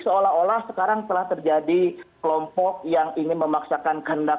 seolah olah sekarang telah terjadi kelompok yang ingin memaksakan kehendak